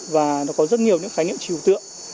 và nó có rất nhiều những khái niệm trừu tượng